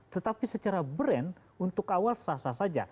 tetapi secara brand untuk awal sah sah saja